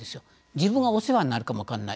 自分がお世話になるかも分からない。